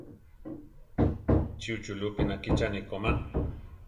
Chi uchulúpi nakíchani komá?